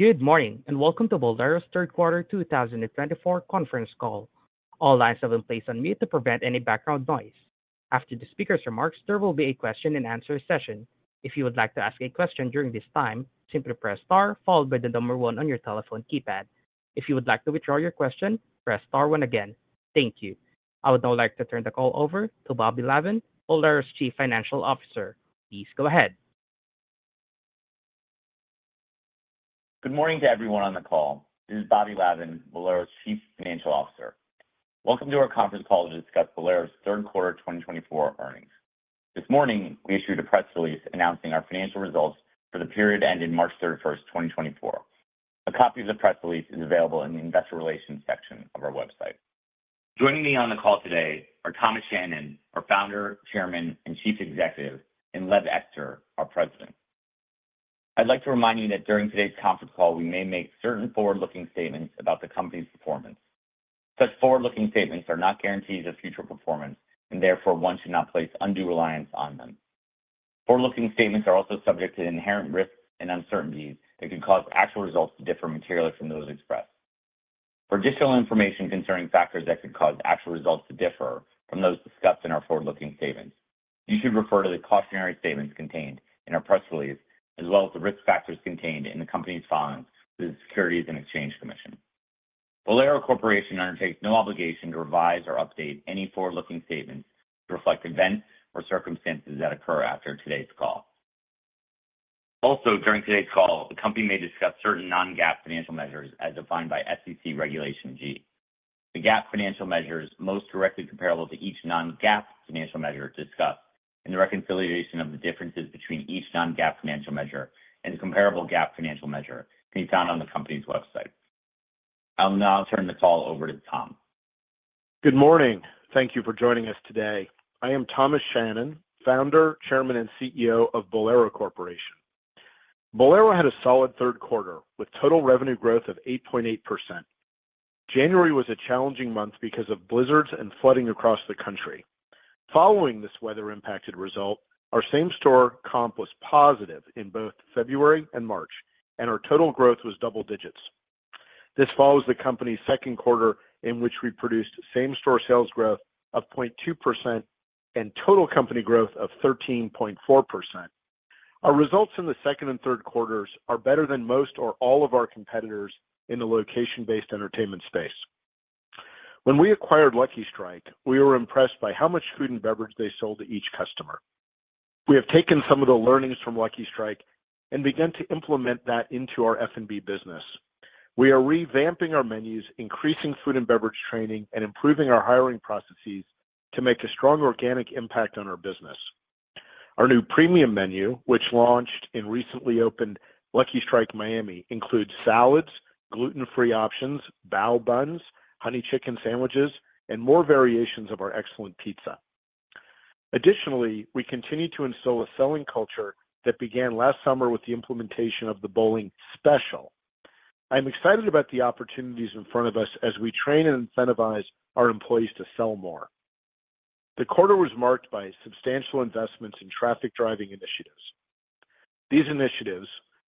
Good morning, and welcome to Bowlero's Third Quarter 2024 Conference Call. All lines have been placed on mute to prevent any background noise. After the speaker's remarks, there will be a question and answer session. If you would like to ask a question during this time, simply press star, followed by the number one on your telephone keypad. If you would like to withdraw your question, press star one again. Thank you. I would now like to turn the call over to Bobby Lavan, Bowlero's Chief Financial Officer. Please go ahead. Good morning to everyone on the call. This is Bobby Lavan, Bowlero's Chief Financial Officer. Welcome to our conference call to discuss Bowlero's third quarter 2024 earnings. This morning, we issued a press release announcing our financial results for the period ending March 31, 2024. A copy of the press release is available in the Investor Relations section of our website. Joining me on the call today are Thomas Shannon, our Founder, Chairman, and Chief Executive, and Lev Ekster, our President. I'd like to remind you that during today's conference call, we may make certain forward-looking statements about the company's performance. Such forward-looking statements are not guarantees of future performance, and therefore, one should not place undue reliance on them. Forward-looking statements are also subject to inherent risks and uncertainties that could cause actual results to differ materially from those expressed. For additional information concerning factors that could cause actual results to differ from those discussed in our forward-looking statements, you should refer to the cautionary statements contained in our press release, as well as the risk factors contained in the company's filings with the Securities and Exchange Commission. Bowlero Corporation undertakes no obligation to revise or update any forward-looking statements to reflect events or circumstances that occur after today's call. Also, during today's call, the company may discuss certain non-GAAP financial measures as defined by SEC Regulation G. The GAAP financial measure is most directly comparable to each non-GAAP financial measure discussed, and the reconciliation of the differences between each non-GAAP financial measure and the comparable GAAP financial measure can be found on the company's website. I'll now turn this call over to Tom. Good morning. Thank you for joining us today. I am Thomas Shannon, founder, chairman, and CEO of Bowlero Corporation. Bowlero had a solid third quarter, with total revenue growth of 8.8%. January was a challenging month because of blizzards and flooding across the country. Following this weather-impacted result, our same-store comp was positive in both February and March, and our total growth was double digits. This follows the company's second quarter, in which we produced same-store sales growth of 0.2% and total company growth of 13.4%. Our results in the second and third quarters are better than most or all of our competitors in the location-based entertainment space. When we acquired Lucky Strike, we were impressed by how much food and beverage they sold to each customer. We have taken some of the learnings from Lucky Strike and begun to implement that into our F&B business. We are revamping our menus, increasing food and beverage training, and improving our hiring processes to make a strong organic impact on our business. Our new premium menu, which launched in recently opened Lucky Strike Miami, includes salads, gluten-free options, bao buns, honey chicken sandwiches, and more variations of our excellent pizza. Additionally, we continue to instill a selling culture that began last summer with the implementation of the bowling special. I'm excited about the opportunities in front of us as we train and incentivize our employees to sell more. The quarter was marked by substantial investments in traffic-driving initiatives. These initiatives,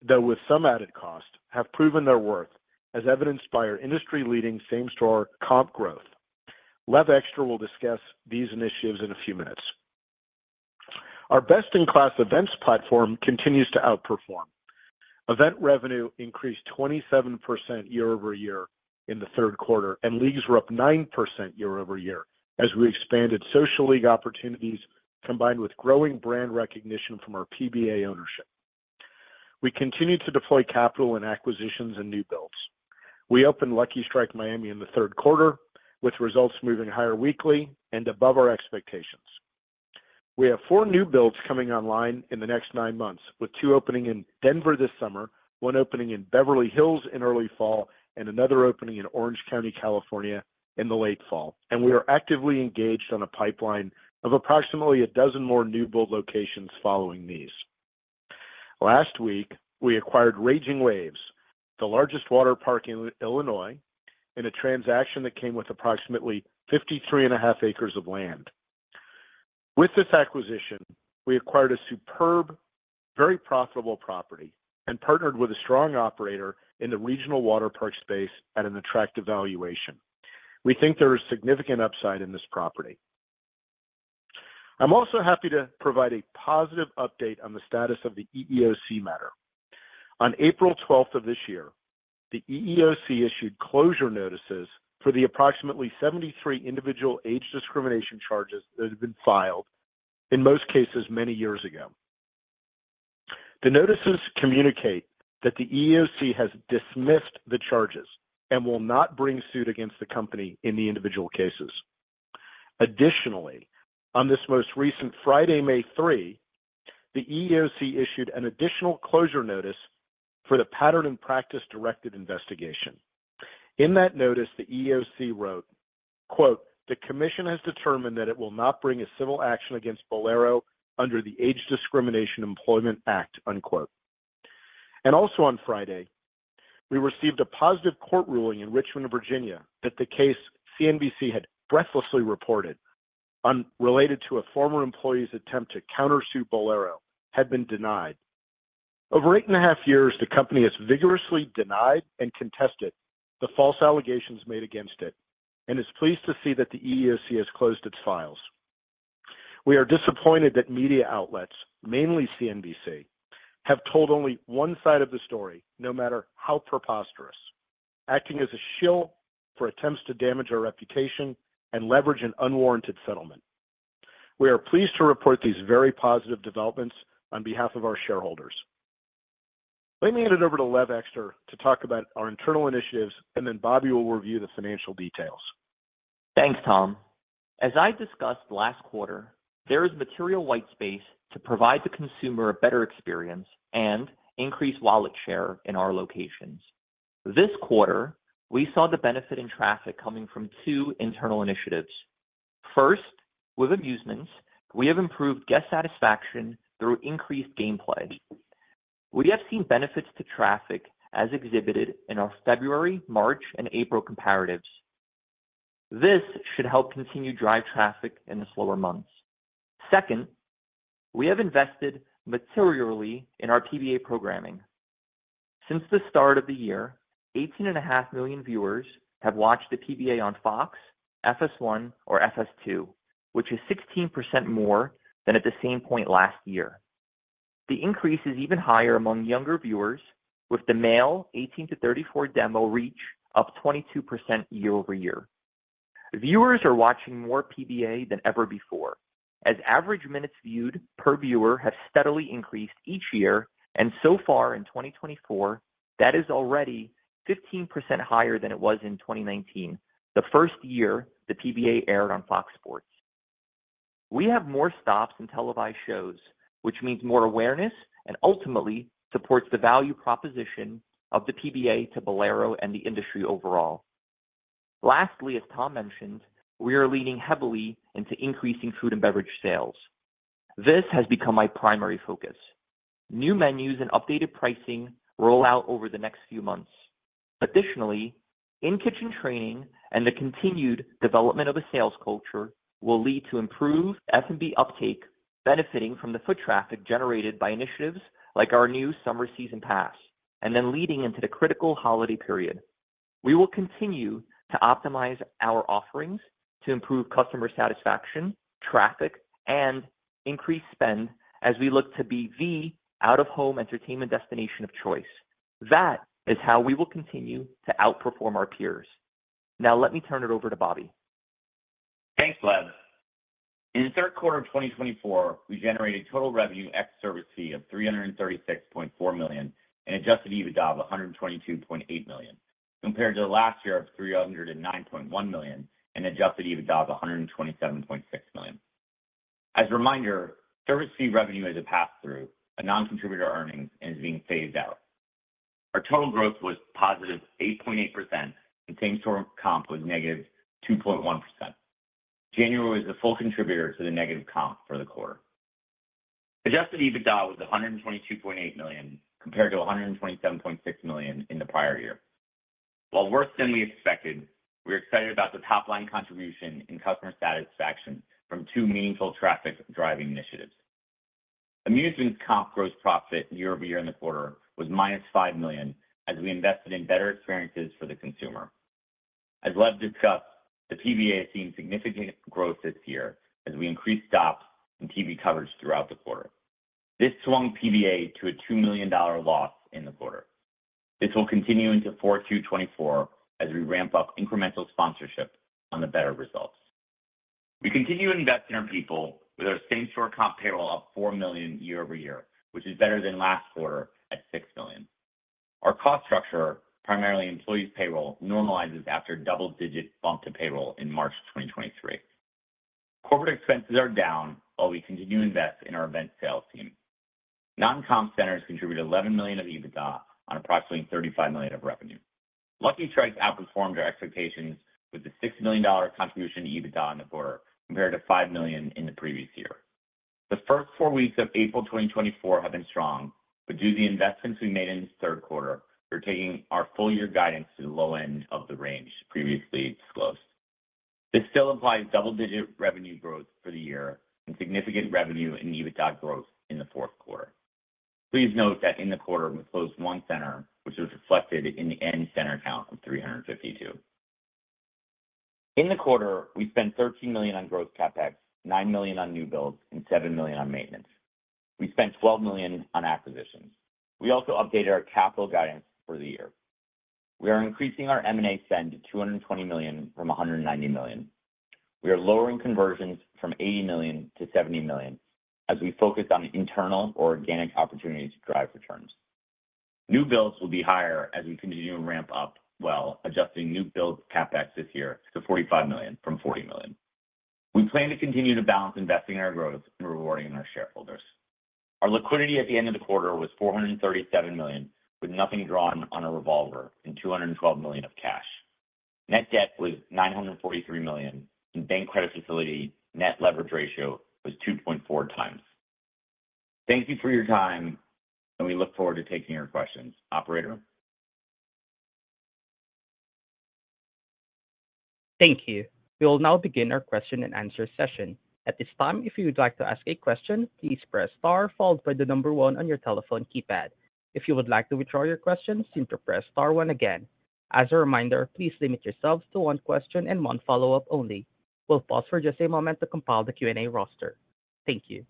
though with some added cost, have proven their worth, as evidenced by our industry-leading same-store comp growth. Lev Ekster will discuss these initiatives in a few minutes. Our best-in-class events platform continues to outperform. Event revenue increased 27% year-over-year in the third quarter, and leagues were up 9% year-over-year as we expanded social league opportunities, combined with growing brand recognition from our PBA ownership. We continued to deploy capital in acquisitions and new builds. We opened Lucky Strike Miami in the third quarter, with results moving higher weekly and above our expectations. We have 4 new builds coming online in the next nine months, with two opening in Denver this summer, one opening in Beverly Hills in early fall, and another opening in Orange County, California, in the late fall, and we are actively engaged on a pipeline of approximately a dozen more new build locations following these. Last week, we acquired Raging Waves, the largest water park in Illinois, in a transaction that came with approximately 53.5 acres of land. With this acquisition, we acquired a superb, very profitable property and partnered with a strong operator in the regional water park space at an attractive valuation. We think there is significant upside in this property. I'm also happy to provide a positive update on the status of the EEOC matter. On April 12th of this year, the EEOC issued closure notices for the approximately 73 individual age discrimination charges that have been filed, in most cases, many years ago. The notices communicate that the EEOC has dismissed the charges and will not bring suit against the company in the individual cases. Additionally, on this most recent Friday, May 3, the EEOC issued an additional closure notice for the pattern and practice-directed investigation. In that notice, the EEOC wrote, "The Commission has determined that it will not bring a civil action against Bowlero under the Age Discrimination in Employment Act." Also on Friday, we received a positive court ruling in Richmond, Virginia, that the case CNBC had breathlessly reported, unrelated to a former employee's attempt to countersue Bowlero, had been denied. Over 8.5 years, the company has vigorously denied and contested the false allegations made against it, and is pleased to see that the EEOC has closed its files. We are disappointed that media outlets, mainly CNBC, have told only one side of the story, no matter how preposterous, acting as a shill for attempts to damage our reputation and leverage an unwarranted settlement. We are pleased to report these very positive developments on behalf of our shareholders. Let me hand it over to Lev Ekster to talk about our internal initiatives, and then Bobby will review the financial details. Thanks, Tom. As I discussed last quarter, there is material white space to provide the consumer a better experience and increase wallet share in our locations. This quarter, we saw the benefit in traffic coming from two internal initiatives. First, with amusements, we have improved guest satisfaction through increased gameplay. We have seen benefits to traffic as exhibited in our February, March, and April comparatives. This should help continue to drive traffic in the slower months. Second, we have invested materially in our PBA programming. Since the start of the year, 18.5 million viewers have watched the PBA on Fox, FS1, or FS2, which is 16% more than at the same point last year. The increase is even higher among younger viewers, with the male 18-34 demo reach up 22% year-over-year. Viewers are watching more PBA than ever before, as average minutes viewed per viewer have steadily increased each year, and so far in 2024, that is already 15% higher than it was in 2019, the first year the PBA aired on Fox Sports. We have more stops and televised shows, which means more awareness and ultimately supports the value proposition of the PBA to Bowlero and the industry overall. Lastly, as Tom mentioned, we are leaning heavily into increasing food and beverage sales. This has become my primary focus. New menus and updated pricing roll out over the next few months. Additionally, in-kitchen training and the continued development of a sales culture will lead to improved F&B uptake, benefiting from the foot traffic generated by initiatives like our new Summer Season Pass, and then leading into the critical holiday period. We will continue to optimize our offerings to improve customer satisfaction, traffic, and increase spend as we look to be the out-of-home entertainment destination of choice. That is how we will continue to outperform our peers. Now, let me turn it over to Bobby. Thanks, Lev. In the third quarter of 2024, we generated total revenue ex service fee of $336.4 million, and adjusted EBITDA of $122.8 million, compared to last year of $309.1 million and adjusted EBITDA of $127.6 million. As a reminder, service fee revenue is a pass-through, a non-contributor to earnings and is being phased out. Our total growth was +8.8%, and same-store comp was -2.1%. January was a full contributor to the negative comp for the quarter. Adjusted EBITDA was $122.8 million, compared to $127.6 million in the prior year. While worse than we expected, we're excited about the top-line contribution in customer satisfaction from two meaningful traffic-driving initiatives. Amusements comp gross profit year-over-year in the quarter was -$5 million, as we invested in better experiences for the consumer. As Lev discussed, the PBA has seen significant growth this year as we increased stops and TV coverage throughout the quarter. This swung PBA to a $2 million loss in the quarter. This will continue into 4Q 2024 as we ramp up incremental sponsorship on the better results. We continue to invest in our people with our same-store comp payroll up $4 million year-over-year, which is better than last quarter at $6 million. Our cost structure, primarily employees payroll, normalizes after a double-digit bump to payroll in March 2023. Corporate expenses are down while we continue to invest in our event sales team. Non-comp centers contributed $11 million of EBITDA on approximately $35 million of revenue. Lucky Strikes outperformed our expectations with a $6 million contribution to EBITDA in the quarter, compared to $5 million in the previous year. The first 4 weeks of April 2024 have been strong, but due to the investments we made in the third quarter, we're taking our full-year guidance to the low end of the range previously disclosed. This still implies double-digit revenue growth for the year and significant revenue and EBITDA growth in the fourth quarter. Please note that in the quarter, we closed one center, which was reflected in the end center count of 352. In the quarter, we spent $13 million on growth CapEx, $9 million on new builds, and $7 million on maintenance. We spent $12 million on acquisitions. We also updated our capital guidance for the year. We are increasing our M&A spend to $220 million from $190 million. We are lowering conversions from $80 million to $70 million as we focus on internal or organic opportunities to drive returns. New builds will be higher as we continue to ramp up while adjusting new builds CapEx this year to $45 million from $40 million. We plan to continue to balance investing in our growth and rewarding our shareholders. Our liquidity at the end of the quarter was $437 million, with nothing drawn on a revolver and $212 million of cash. Net debt was $943 million, and bank credit facility net leverage ratio was 2.4x. Thank you for your time, and we look forward to taking your questions. Operator? Thank you. We will now begin our question and answer session. At this time, if you would like to ask a question, please press star followed by the number one on your telephone keypad. If you would like to withdraw your question, simply press star one again. As a reminder, please limit yourselves to one question and one follow-up only. We'll pause for just a moment to compile the Q&A roster. Thank you.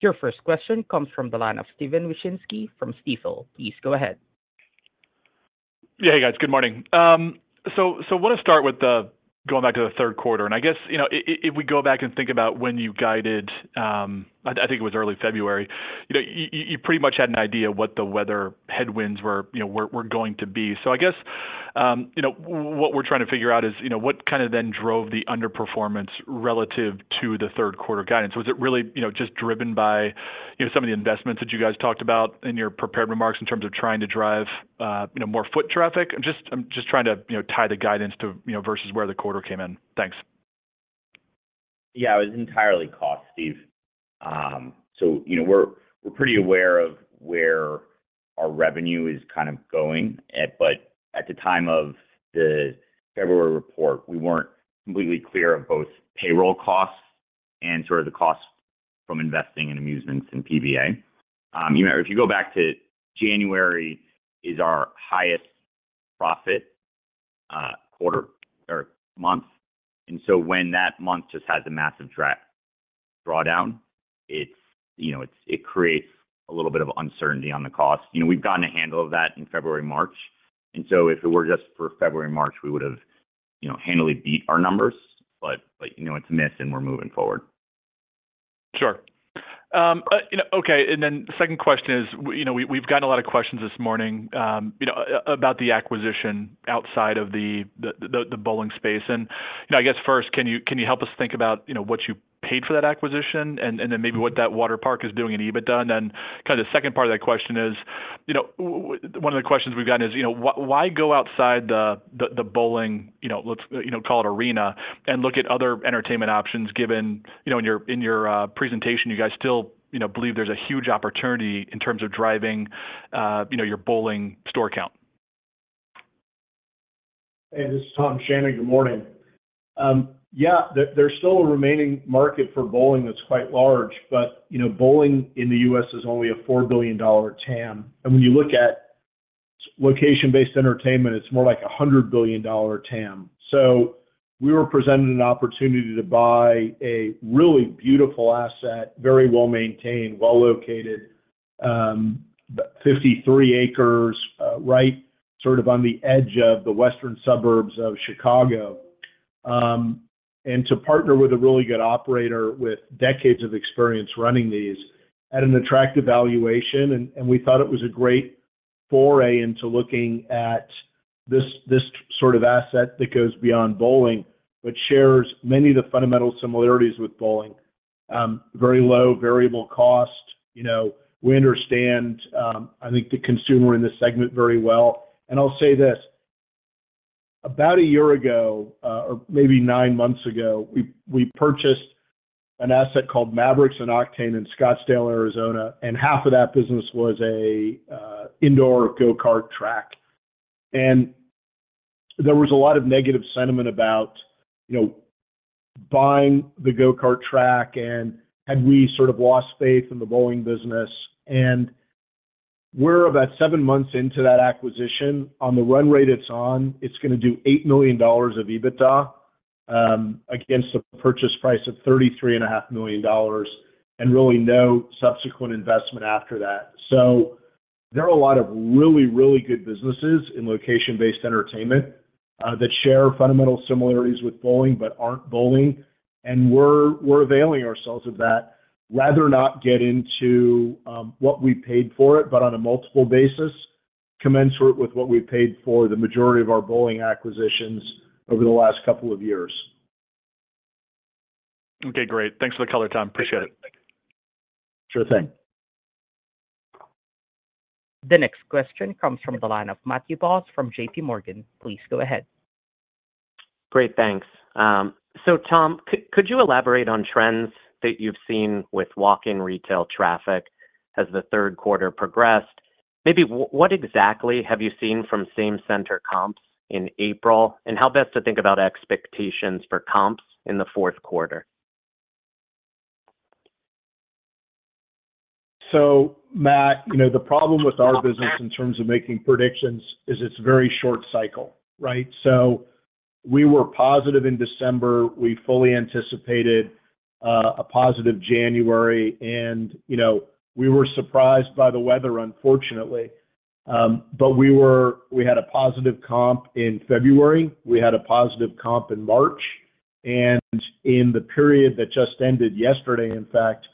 Your first question comes from the line of Steven Wieczynski from Stifel. Please go ahead. Yeah, hey, guys. Good morning. So I wanna start with the, going back to the third quarter, and I guess, you know, if we go back and think about when you guided, I think it was early February, you know, you pretty much had an idea what the weather headwinds were, you know, were going to be. So I guess, you know, what we're trying to figure out is, you know, what kind of then drove the underperformance relative to the third quarter guidance? Was it really, you know, just driven by, you know, some of the investments that you guys talked about in your prepared remarks in terms of trying to drive, you know, more foot traffic? I'm just trying to, you know, tie the guidance to, you know, versus where the quarter came in. Thanks. Yeah, it was entirely cost, Steve. So, you know, we're pretty aware of where our revenue is kind of going at, but at the time of the February report, we weren't completely clear of both payroll costs and sort of the costs from investing in amusements and PBA. You know, if you go back to January is our highest profit quarter or month, and so when that month just has a massive drawdown, it's, you know, it creates a little bit of uncertainty on the cost. You know, we've gotten a handle of that in February, March, and so if it were just for February, March, we would have, you know, handily beat our numbers. But, you know, it's a miss, and we're moving forward. Sure. You know, okay, and then the second question is, you know, we've gotten a lot of questions this morning, you know, about the acquisition outside of the bowling space. And, you know, I guess first, can you help us think about, you know, what you paid for that acquisition and then maybe what that water park is doing in EBITDA? And then kind of the second part of that question is, you know, one of the questions we've gotten is, you know, why go outside the bowling, you know, let's, you know, call it arena, and look at other entertainment options, given, you know, in your presentation, you guys still, you know, believe there's a huge opportunity in terms of driving, you know, your bowling store count? Hey, this is Tom Shannon. Good morning. Yeah, there, there's still a remaining market for bowling that's quite large, but, you know, bowling in the U.S. is only a $4 billion TAM. And when you look at location-based entertainment, it's more like a $100 billion TAM. So we were presented an opportunity to buy a really beautiful asset, very well-maintained, well-located, about 53 acres, right sort of on the edge of the western suburbs of Chicago. And to partner with a really good operator with decades of experience running these at an attractive valuation, and we thought it was a great foray into looking at this sort of asset that goes beyond bowling, but shares many of the fundamental similarities with bowling. Very low variable cost. You know, we understand, I think the consumer in this segment very well. I'll say this, about a year ago, or maybe nine months ago, we, we purchased an asset called Mavrix and Octane in Scottsdale, Arizona, and half of that business was a indoor go-kart track. There was a lot of negative sentiment about, you know, buying the go-kart track and had we sort of lost faith in the bowling business. We're about seven months into that acquisition. On the run rate it's on, it's gonna do $8 million of EBITDA, against a purchase price of $33.5 million, and really no subsequent investment after that. So there are a lot of really, really good businesses in location-based entertainment, that share fundamental similarities with bowling but aren't bowling, and we're, we're availing ourselves of that. I'd rather not get into what we paid for it, but on a multiple basis, commensurate with what we've paid for the majority of our bowling acquisitions over the last couple of years. Okay, great. Thanks for the color, Tom. Appreciate it. Sure thing. The next question comes from the line of Matthew Boss from JPMorgan. Please go ahead. Great, thanks. So Tom, could you elaborate on trends that you've seen with walk-in retail traffic as the third quarter progressed? Maybe what exactly have you seen from same-center comps in April, and how best to think about expectations for comps in the fourth quarter? So Matt, you know, the problem with our business in terms of making predictions is it's very short cycle, right? So we were positive in December. We fully anticipated a positive January and, you know, we were surprised by the weather, unfortunately. But we had a positive comp in February, we had a positive comp in March, and in the period that just ended yesterday, in fact,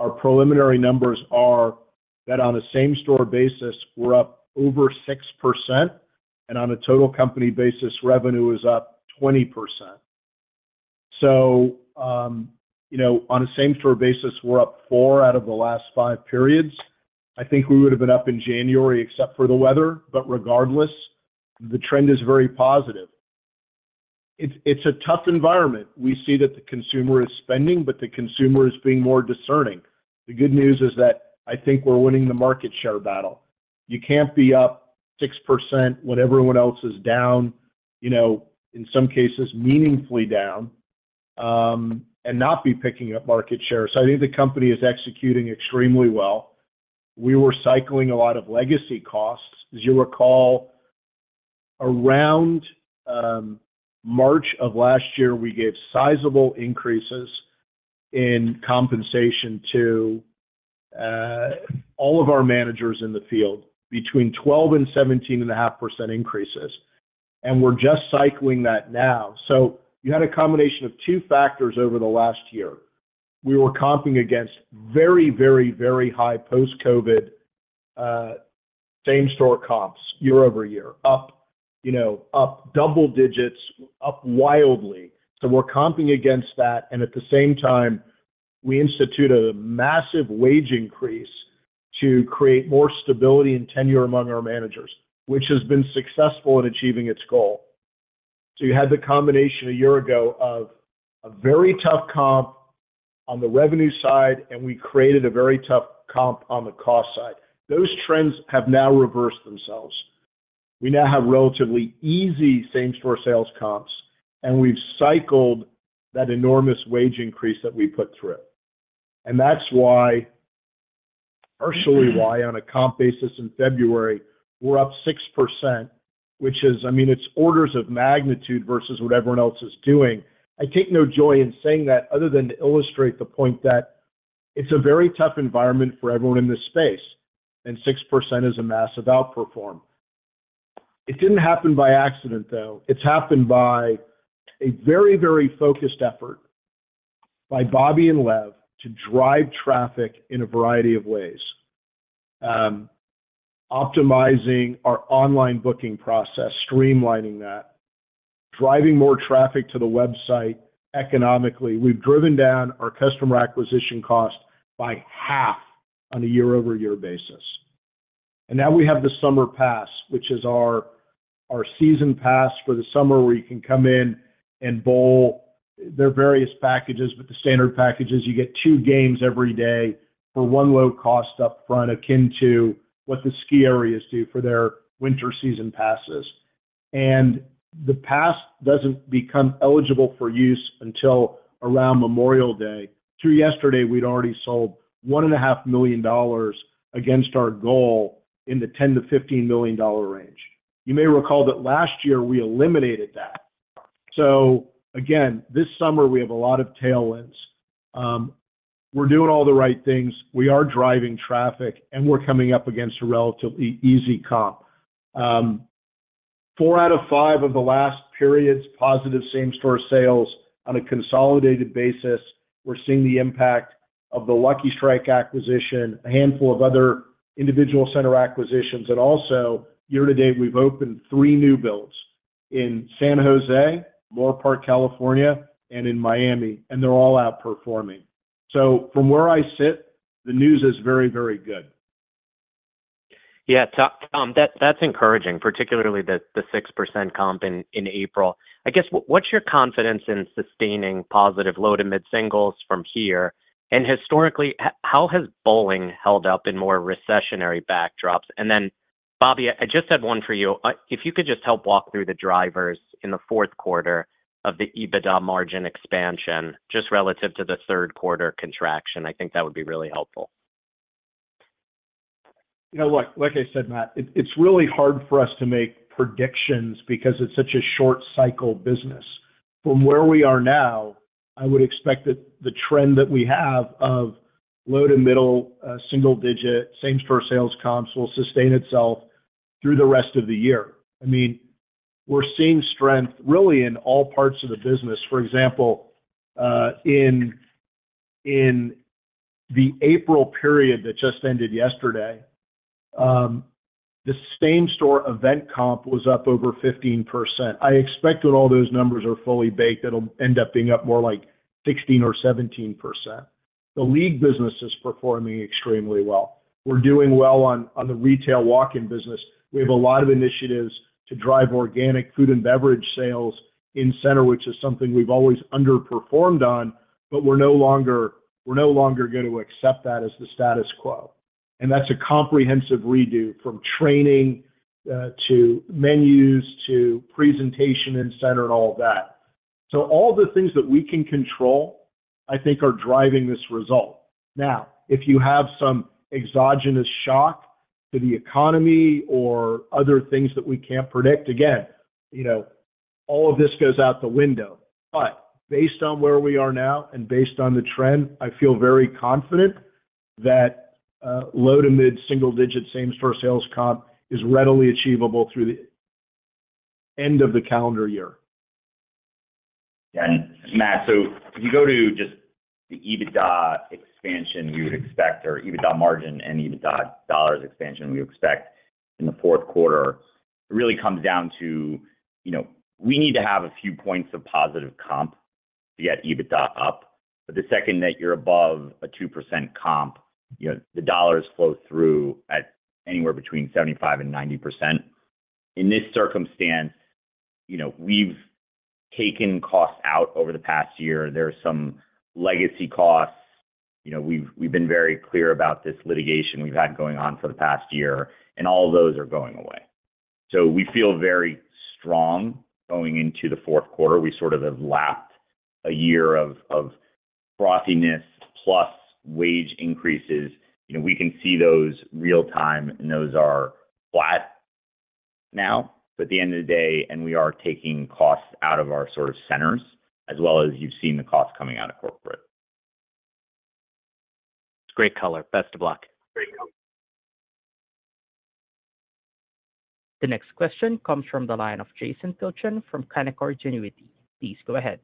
our preliminary numbers are that on a same store basis, we're up over 6%, and on a total company basis, revenue is up 20%. So, you know, on a same store basis, we're up four out of the last five periods. I think we would've been up in January except for the weather, but regardless, the trend is very positive. It's a tough environment. We see that the consumer is spending, but the consumer is being more discerning. The good news is that I think we're winning the market share battle. You can't be up 6% when everyone else is down, you know, in some cases meaningfully down, and not be picking up market share. So I think the company is executing extremely well. We were cycling a lot of legacy costs. As you recall, around March of last year, we gave sizable increases in compensation to all of our managers in the field, between 12% and 17.5% increases, and we're just cycling that now. So you had a combination of two factors over the last year. We were comping against very, very, very high post-COVID same-store comps, year-over-year, up, you know, up double digits, up wildly. So we're comping against that, and at the same time, we institute a massive wage increase to create more stability and tenure among our managers, which has been successful in achieving its goal. So you had the combination a year ago of a very tough comp on the revenue side, and we created a very tough comp on the cost side. Those trends have now reversed themselves. We now have relatively easy same-store sales comps, and we've cycled that enormous wage increase that we put through. And that's why, partially why, on a comp basis in February, we're up 6%, which is, I mean, it's orders of magnitude versus what everyone else is doing. I take no joy in saying that, other than to illustrate the point that it's a very tough environment for everyone in this space, and 6% is a massive outperformance. It didn't happen by accident, though. It's happened by a very, very focused effort by Bobby and Lev to drive traffic in a variety of ways. Optimizing our online booking process, streamlining that, driving more traffic to the website economically. We've driven down our customer acquisition cost by half on a year-over-year basis. And now we have the Summer Pass, which is our, our season pass for the summer, where you can come in and bowl. There are various packages, but the standard package is you get two games every day for one low cost up front, akin to what the ski areas do for their winter season passes. And the pass doesn't become eligible for use until around Memorial Day. Through yesterday, we'd already sold $1.5 million against our goal in the $10 million-$15 million range. You may recall that last year we eliminated that. So again, this summer we have a lot of tailwinds. We're doing all the right things. We are driving traffic, and we're coming up against a relatively easy comp. Four out of five of the last periods, positive same-store sales on a consolidated basis. We're seeing the impact of the Lucky Strike acquisition, a handful of other individual center acquisitions, and also, year to date, we've opened three new builds in San Jose, Moorpark, California, and in Miami, and they're all outperforming. So from where I sit, the news is very, very good. Yeah, Tom, that's encouraging, particularly the 6% comp in April. I guess, what's your confidence in sustaining positive low to mid singles from here? And historically, how has bowling held up in more recessionary backdrops? And then, Bobby, I just had one for you. If you could just help walk through the drivers in the fourth quarter of the EBITDA margin expansion, just relative to the third quarter contraction, I think that would be really helpful. You know what? Like I said, Matt, it's really hard for us to make predictions because it's such a short cycle business. From where we are now, I would expect that the trend that we have of low to middle single digit same store sales comps will sustain itself through the rest of the year. I mean, we're seeing strength really in all parts of the business. For example, in the April period that just ended yesterday, the same store event comp was up over 15%. I expect when all those numbers are fully baked, it'll end up being up more like 16% or 17%. The league business is performing extremely well. We're doing well on the retail walk-in business. We have a lot of initiatives to drive organic food and beverage sales in center, which is something we've always underperformed on, but we're no longer, we're no longer going to accept that as the status quo. And that's a comprehensive redo, from training, to menus, to presentation and center and all of that. So all the things that we can control, I think, are driving this result. Now, if you have some exogenous shock to the economy or other things that we can't predict, again, you know, all of this goes out the window. But based on where we are now and based on the trend, I feel very confident that, low to mid-single digit same-store sales comp is readily achievable through the end of the calendar year. And Matt, so if you go to just the EBITDA expansion, you would expect or EBITDA margin and EBITDA dollars expansion we expect in the fourth quarter, it really comes down to, you know, we need to have a few points of positive comp to get EBITDA up. But the second that you're above a 2% comp, you know, the dollars flow through at anywhere between 75%-90%. In this circumstance, you know, we've taken costs out over the past year. There are some legacy costs. You know, we've, we've been very clear about this litigation we've had going on for the past year, and all of those are going away. So we feel very strong going into the fourth quarter. We sort of have lapped a year of frothiness plus wage increases. You know, we can see those real time, and those are flat now. At the end of the day, and we are taking costs out of our sort of centers, as well as you've seen the costs coming out of corporate. Great color. Best of luck. Great. The next question comes from the line of Jason Tilchen from Canaccord Genuity. Please go ahead.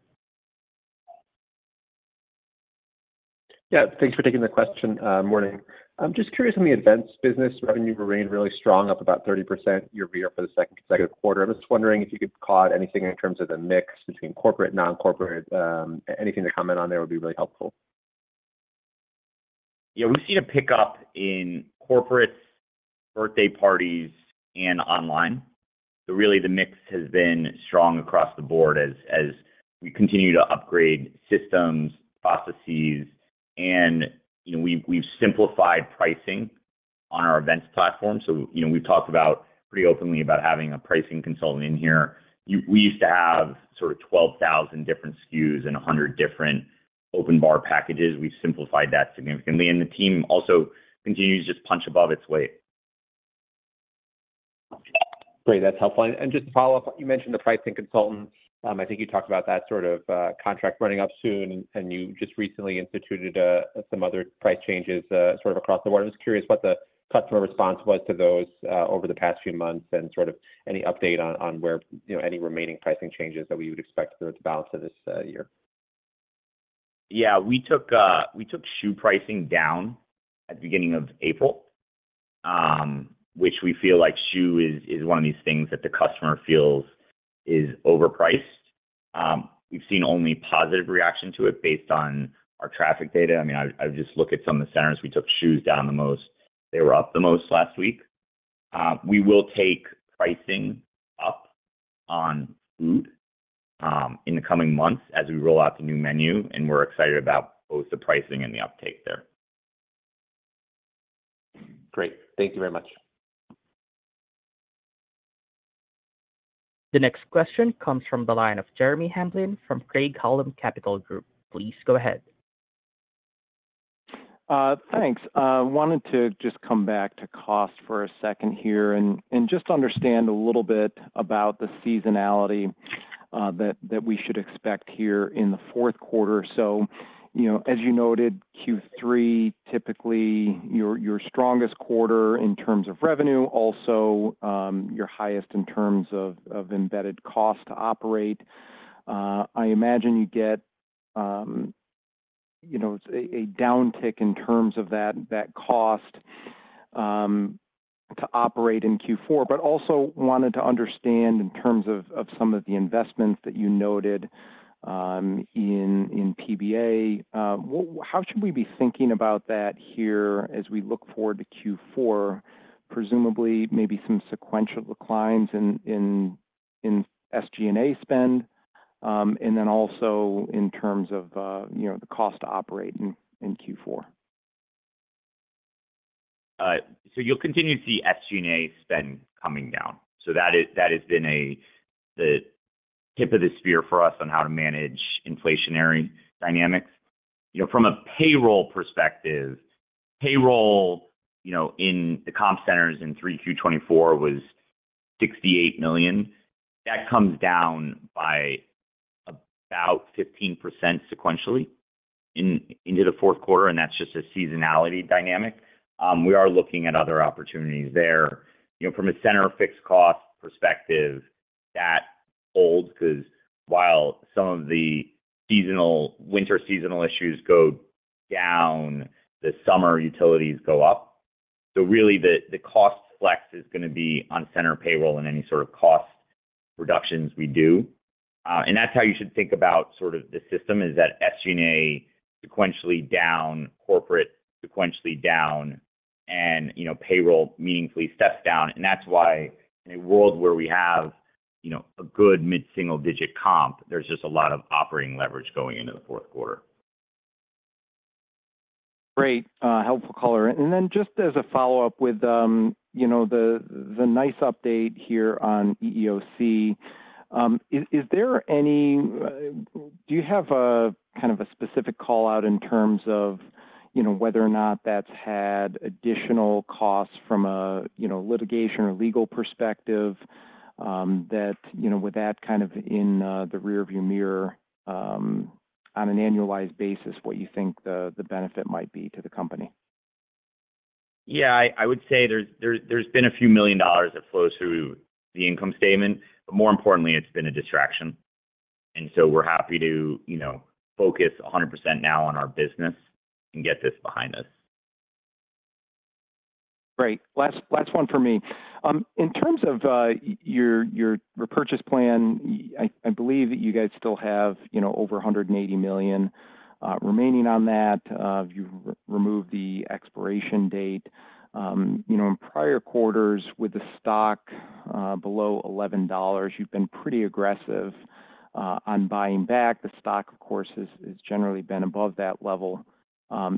Yeah, thanks for taking the question. Morning. I'm just curious, on the events business, revenue remained really strong, up about 30% year-over-year for the second consecutive quarter. I was just wondering if you could call out anything in terms of the mix between corporate and non-corporate. Anything to comment on there would be really helpful. Yeah, we've seen a pickup in corporate birthday parties and online. So really, the mix has been strong across the board as we continue to upgrade systems, processes, and, you know, we've simplified pricing on our events platform. So, you know, we've talked pretty openly about having a pricing consultant in here. We used to have sort of 12,000 different SKUs and 100 different open bar packages. We've simplified that significantly, and the team also continues to just punch above its weight. Great, that's helpful. And just to follow up, you mentioned the pricing consultant. I think you talked about that sort of contract running up soon, and you just recently instituted some other price changes sort of across the board. I'm just curious what the customer response was to those over the past few months, and sort of any update on where, you know, any remaining pricing changes that we would expect through the balance of this year? Yeah, we took shoe pricing down at the beginning of April, which we feel like shoe is one of these things that the customer feels is overpriced. We've seen only positive reaction to it based on our traffic data. I mean, I just look at some of the centers. We took shoes down the most. They were up the most last week. We will take pricing up on food in the coming months as we roll out the new menu, and we're excited about both the pricing and the uptake there. Great. Thank you very much. The next question comes from the line of Jeremy Hamblin from Craig-Hallum Capital Group. Please go ahead. Thanks. Wanted to just come back to cost for a second here and just understand a little bit about the seasonality that we should expect here in the fourth quarter. So, you know, as you noted, Q3, typically your strongest quarter in terms of revenue, also, your highest in terms of embedded cost to operate. I imagine you get, you know, a downtick in terms of that cost to operate in Q4, but also wanted to understand in terms of some of the investments that you noted in PBA. How should we be thinking about that here as we look forward to Q4? Presumably, maybe some sequential declines in SG&A spend, and then also in terms of, you know, the cost to operate in Q4. So you'll continue to see SG&A spend coming down. So that is that has been the tip of the spear for us on how to manage inflationary dynamics. You know, from a payroll perspective, payroll, you know, in the comp centers in 3Q 2024 was $68 million. That comes down by about 15% sequentially into the fourth quarter, and that's just a seasonality dynamic. We are looking at other opportunities there. You know, from a center fixed cost perspective, that holds, because while some of the seasonal, winter seasonal issues go down, the summer utilities go up. So really, the cost flex is going to be on center payroll and any sort of cost reductions we do. And that's how you should think about sort of the system, is that SG&A sequentially down, corporate sequentially down, and, you know, payroll meaningfully steps down. And that's why in a world where we have, you know, a good mid-single-digit comp, there's just a lot of operating leverage going into the fourth quarter. Great, helpful color. And then just as a follow-up with, you know, the nice update here on EEOC, is there any, do you have a kind of a specific call-out in terms of, you know, whether or not that's had additional costs from a, you know, litigation or legal perspective, that, you know, with that kind of in the rearview mirror, on an annualized basis, what you think the benefit might be to the company? Yeah, I would say there's been a few million dollars that flow through the income statement, but more importantly, it's been a distraction. And so we're happy to, you know, focus 100% now on our business and get this behind us. Great. Last one for me. In terms of your repurchase plan, I believe that you guys still have, you know, over $180 million remaining on that. You've removed the expiration date. You know, in prior quarters with the stock below $11, you've been pretty aggressive on buying back. The stock, of course, has generally been above that level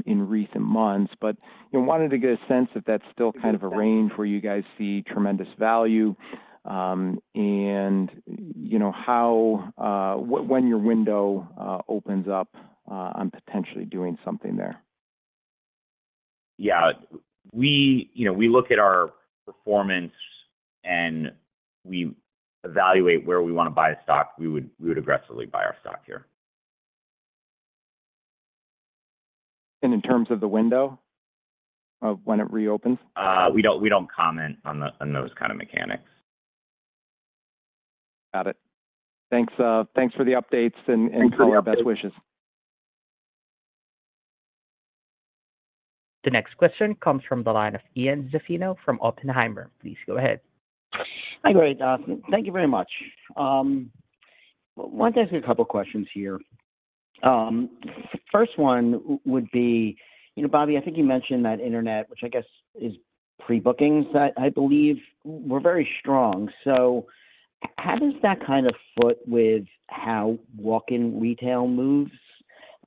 in recent months. But, you know, wanted to get a sense if that's still kind of a range where you guys see tremendous value, and you know, how... when your window opens up on potentially doing something there. Yeah. We, you know, we look at our performance, and we evaluate where we wanna buy the stock. We would aggressively buy our stock here. In terms of the window of when it reopens? We don't comment on those kind of mechanics. Got it. Thanks, thanks for the updates and all our best wishes. The next question comes from the line of Ian Zaffino from Oppenheimer. Please go ahead. Hi, great. Thank you very much. Wanted to ask you a couple questions here. First one would be, you know, Bobby, I think you mentioned that internet, which I guess is pre-bookings, I believe, were very strong. So how does that kind of fit with how walk-in retail moves?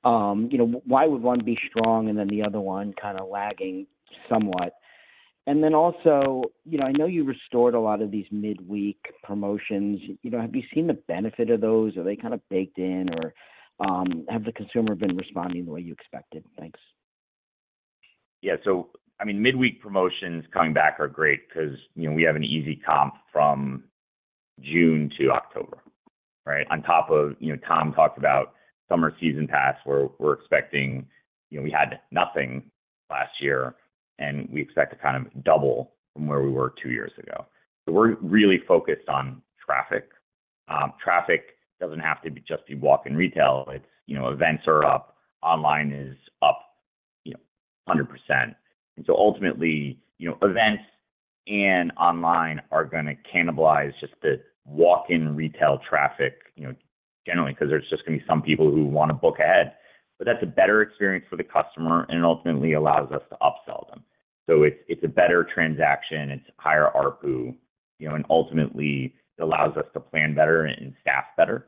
You know, why would one be strong and then the other one kinda lagging somewhat? And then also, you know, I know you restored a lot of these midweek promotions. You know, have you seen the benefit of those? Are they kind of baked in, or, have the consumer been responding the way you expected? Thanks. Yeah, so I mean, midweek promotions coming back are great 'cause, you know, we have an easy comp from June to October, right? On top of, you know, Tom talked about Summer Season Pass, where we're expecting. You know, we had nothing last year, and we expect to kind of double from where we were two years ago. So we're really focused on traffic. Traffic doesn't have to be just walk-in retail. It's, you know, events are up, online is up, you know, 100%. And so ultimately, you know, events and online are gonna cannibalize just the walk-in retail traffic, you know, generally, 'cause there's just gonna be some people who wanna book ahead. But that's a better experience for the customer, and it ultimately allows us to upsell them. So it's a better transaction, it's higher ARPU, you know, and ultimately, it allows us to plan better and staff better.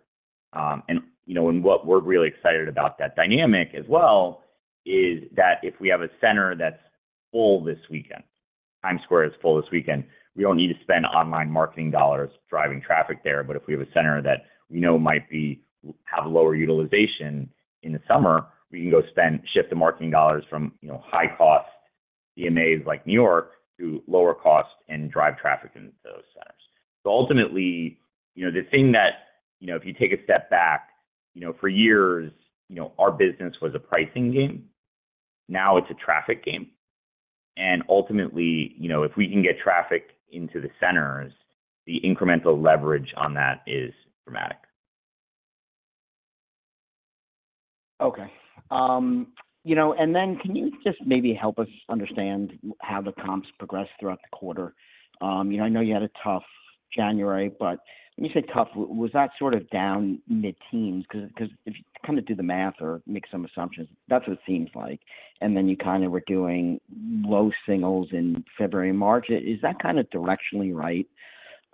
And, you know, what we're really excited about that dynamic as well, is that if we have a center that's full this weekend, Times Square is full this weekend, we don't need to spend online marketing dollars driving traffic there. But if we have a center that we know might have lower utilization in the summer, we can shift the marketing dollars from, you know, high-cost DMAs like New York to lower cost and drive traffic into those centers. So ultimately, you know, the thing that, you know, if you take a step back, you know, for years, you know, our business was a pricing game. Now it's a traffic game. Ultimately, you know, if we can get traffic into the centers, the incremental leverage on that is dramatic. Okay. You know, and then can you just maybe help us understand how the comps progressed throughout the quarter? You know, I know you had a tough January, but when you say tough, was that sort of down mid-teens? 'Cause if you kinda do the math or make some assumptions, that's what it seems like, and then you kinda were doing low singles in February and March. Is that kinda directionally right?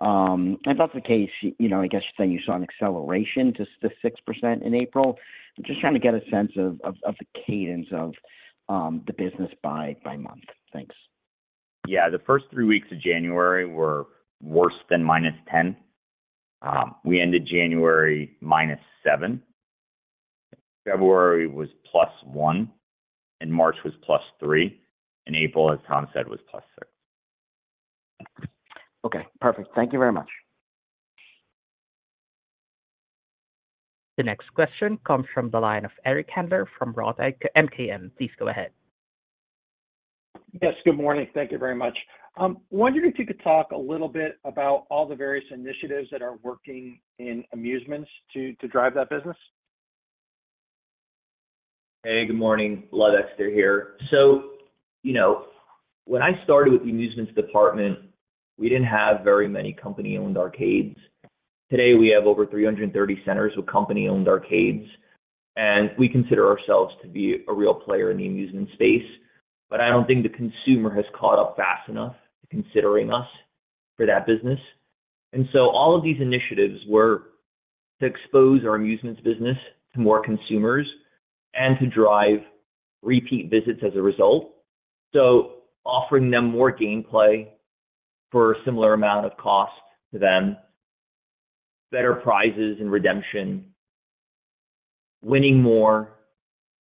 If that's the case, you know, I guess you're saying you saw an acceleration to the 6% in April. Yeah. Just trying to get a sense of the cadence of the business by month. Thanks. Yeah, the first three weeks of January were worse than -10%. We ended January -7%, February was +1%, and March was +3%, and April, as Tom said, was +6%. Okay, perfect. Thank you very much. The next question comes from the line of Eric Handler from Roth MKM. Please go ahead. Yes, good morning. Thank you very much. Wondering if you could talk a little bit about all the various initiatives that are working in amusements to drive that business. Hey, good morning. Lev Ekster here. So, you know, when I started with the amusements department, we didn't have very many company-owned arcades. Today, we have over 330 centers with company-owned arcades, and we consider ourselves to be a real player in the amusement space. But I don't think the consumer has caught up fast enough considering us for that business. So all of these initiatives were to expose our amusements business to more consumers and to drive repeat visits as a result. So offering them more gameplay for a similar amount of cost to them, better prizes and redemption, winning more,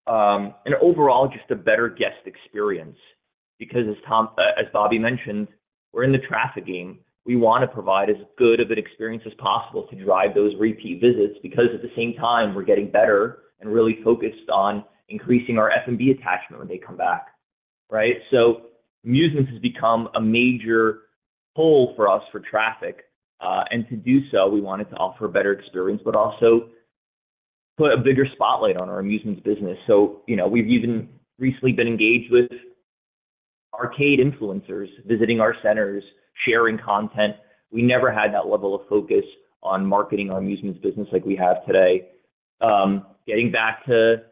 and overall, just a better guest experience. Because as Bobby mentioned, we're in the traffic game. We wanna provide as good of an experience as possible to drive those repeat visits, because at the same time, we're getting better and really focused on increasing our F&B attachment when they come back, right? So amusements has become a major pull for us for traffic. And to do so, we wanted to offer a better experience, but also put a bigger spotlight on our amusements business. So, you know, we've even recently been engaged with arcade influencers, visiting our centers, sharing content. We never had that level of focus on marketing our amusements business like we have today. Getting back to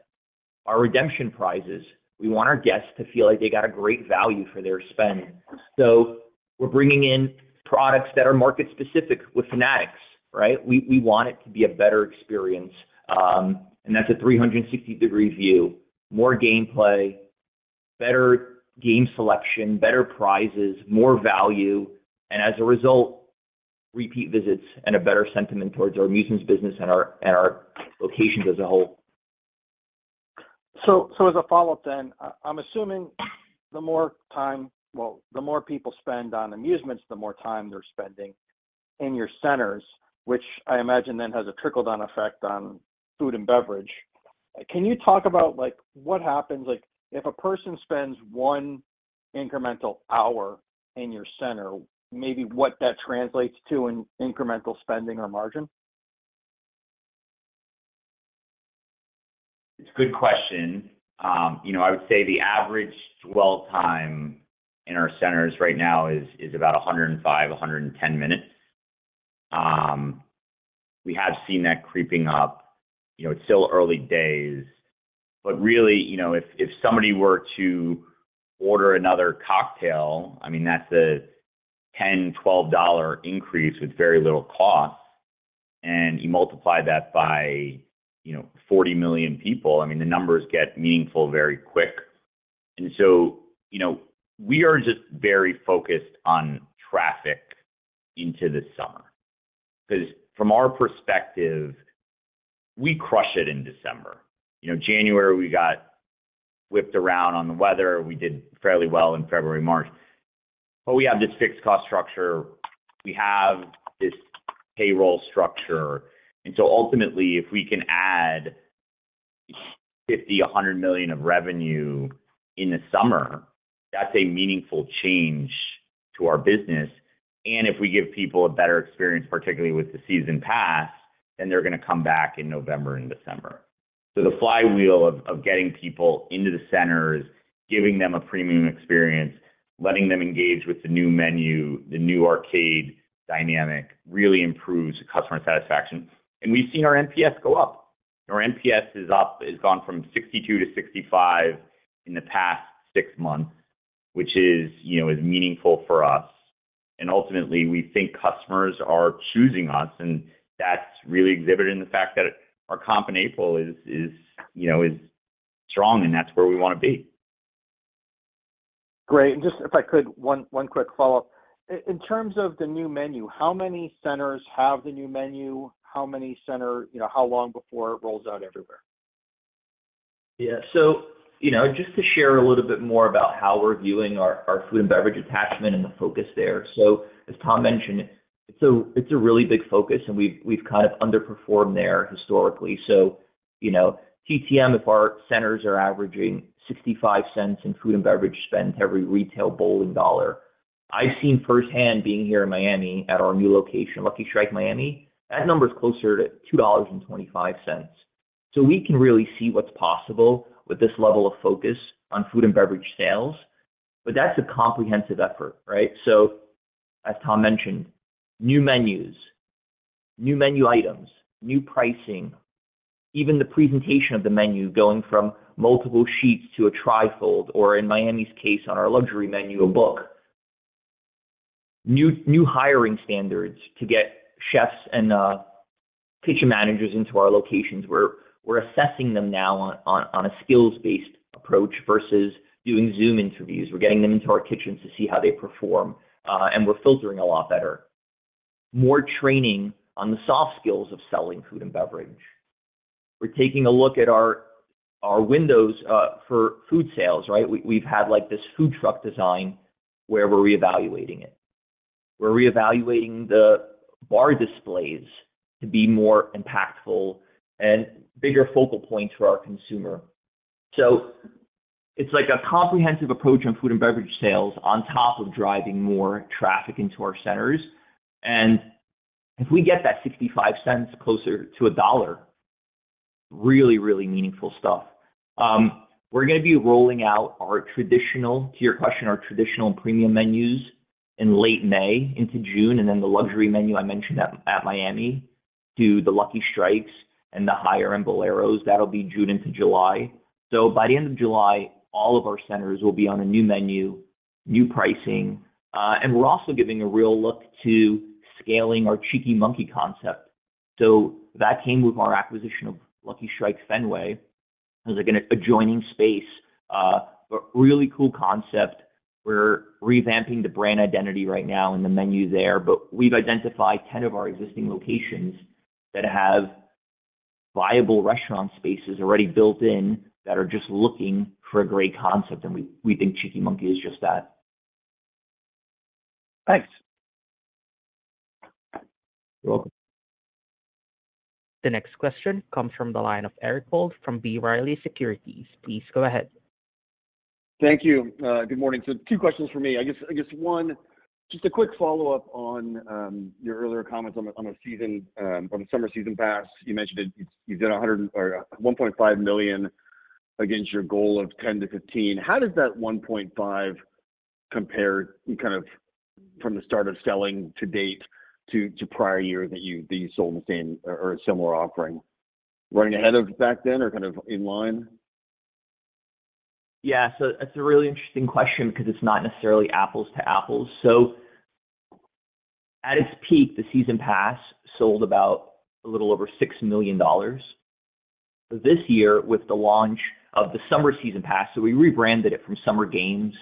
our redemption prizes, we want our guests to feel like they got a great value for their spend. So we're bringing in products that are market specific with Fanatics, right? We, we want it to be a better experience, and that's a 360-degree view, more gameplay, better game selection, better prizes, more value, and as a result, repeat visits and a better sentiment towards our amusements business and our, and our locations as a whole. So, as a follow-up then, I'm assuming the more time—well, the more people spend on amusements, the more time they're spending in your centers, which I imagine then has a trickle-down effect on food and beverage. Can you talk about, like, what happens, like, if a person spends one incremental hour in your center, maybe what that translates to in incremental spending or margin? It's a good question. You know, I would say the average dwell time in our centers right now is about 105, 110 minutes. We have seen that creeping up. You know, it's still early days, but really, you know, if somebody were to order another cocktail, I mean, that's a $10-$12 increase with very little cost, and you multiply that by, you know, 40 million people, I mean, the numbers get meaningful very quick. And so, you know, we are just very focused on traffic into the summer, 'cause from our perspective, we crush it in December. You know, January, we got whipped around on the weather. We did fairly well in February, March. But we have this fixed cost structure, we have this payroll structure, and so ultimately, if we can add $50 million-$100 million of revenue in the summer, that's a meaningful change to our business, and if we give people a better experience, particularly with the season pass, then they're gonna come back in November and December. So the flywheel of getting people into the centers, giving them a premium experience, letting them engage with the new menu, the new arcade dynamic, really improves customer satisfaction. And we've seen our NPS go up. Our NPS is up, it's gone from 62-65 in the past six months, which is, you know, meaningful for us. And ultimately, we think customers are choosing us, and that's really exhibited in the fact that our comp in April is, you know, strong, and that's where we wanna be. Great. And just if I could, one quick follow-up. In terms of the new menu, how many centers have the new menu? How many centers, you know, how long before it rolls out everywhere? Yeah. So, you know, just to share a little bit more about how we're viewing our food and beverage attachment and the focus there. So, as Tom mentioned, it's a really big focus, and we've kind of underperformed there historically. So, you know, TTM, if our centers are averaging $0.65 in food and beverage spend every retail bowling dollar, I've seen firsthand, being here in Miami at our new location, Lucky Strike Miami, that number is closer to $2.25. So we can really see what's possible with this level of focus on food and beverage sales, but that's a comprehensive effort, right? So, as Tom mentioned, new menus, new menu items, new pricing, even the presentation of the menu going from multiple sheets to a trifold, or in Miami's case, on our luxury menu, a book. New hiring standards to get chefs and kitchen managers into our locations. We're assessing them now on a skills-based approach versus doing Zoom interviews. We're getting them into our kitchens to see how they perform, and we're filtering a lot better. More training on the soft skills of selling food and beverage. We're taking a look at our windows for food sales, right? We've had, like, this food truck design where we're reevaluating it. We're reevaluating the bar displays to be more impactful and bigger focal point to our consumer. So it's like a comprehensive approach on food and beverage sales on top of driving more traffic into our centers. And if we get that $0.65 closer to $1, really, really meaningful stuff. We're gonna be rolling out our traditional, to your question, our traditional premium menus in late May into June, and then the luxury menu I mentioned at Miami, to the Lucky Strikes and the higher end Bowleros. That'll be June into July. So by the end of July, all of our centers will be on a new menu, new pricing, and we're also giving a real look to scaling our Cheeky Monkey concept. So that came with our acquisition of Lucky Strike Fenway, as like an adjoining space, but really cool concept. We're revamping the brand identity right now and the menu there, but we've identified 10 of our existing locations that have viable restaurant spaces already built in that are just looking for a great concept, and we think Cheeky Monkey is just that. Thanks. You're welcome. The next question comes from the line of Eric Wold from B. Riley Securities. Please go ahead. Thank you. Good morning. So two questions for me. I guess one, just a quick follow-up on your earlier comments on the season, on the Summer Season Pass. You mentioned it, you've done 100 or $1.5 million against your goal of $10 million-$15 million. How does that one point five compare kind of from the start of selling to date to prior year that you sold the same or a similar offering? Running ahead of back then or kind of in line? Yeah. So that's a really interesting question because it's not necessarily apples to apples. So at its peak, the season pass sold about a little over $6 million. This year, with the launch of the Summer Season Pass, so we rebranded it from Summer Games,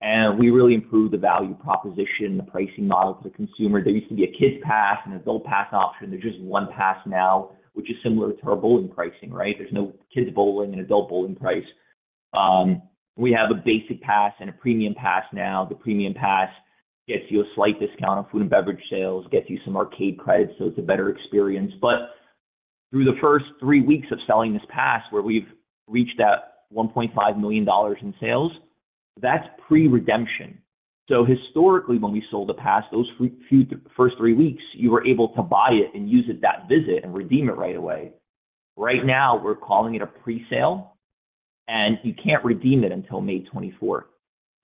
and we really improved the value proposition, the pricing model to the consumer. There used to be a kids pass, an adult pass option. There's just one pass now, which is similar to our bowling pricing, right? There's no kids bowling and adult bowling price. We have a basic pass and a premium pass now. The premium pass gets you a slight discount on food and beverage sales, gets you some arcade credits, so it's a better experience. But through the first 3 weeks of selling this pass, where we've reached that $1.5 million in sales, that's pre-redemption. So historically, when we sold a pass, those first three weeks, you were able to buy it and use it that visit and redeem it right away. Right now, we're calling it a presale, and you can't redeem it until May 24th.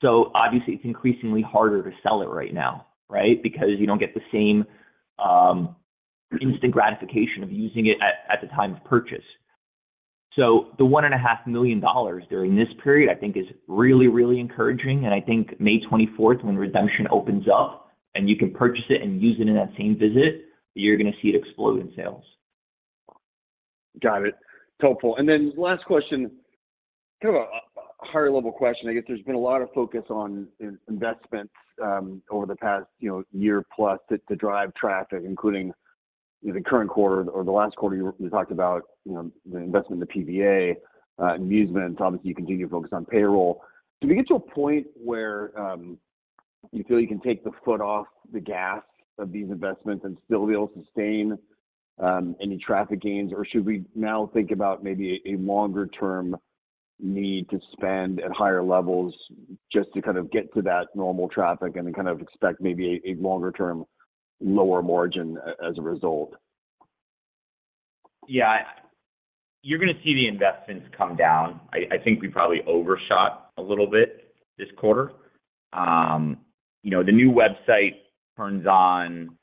So obviously, it's increasingly harder to sell it right now, right? Because you don't get the same instant gratification of using it at the time of purchase. So the $1.5 million during this period, I think is really, really encouraging. And I think May twenty-fourth, when redemption opens up and you can purchase it and use it in that same visit, you're gonna see it explode in sales. Got it. Helpful. Then last question, kind of a higher level question. I guess there's been a lot of focus on investments over the past, you know, year plus to drive traffic, including, you know, the current quarter or the last quarter. You talked about, you know, the investment in the PBA, amusement. Obviously, you continue to focus on payroll. Do we get to a point where you feel you can take the foot off the gas of these investments and still be able to sustain any traffic gains? Or should we now think about maybe a longer term need to spend at higher levels just to kind of get to that normal traffic and then kind of expect maybe a longer term, lower margin as a result? Yeah, you're gonna see the investments come down. I think we probably overshot a little bit this quarter. You know, the new website turns on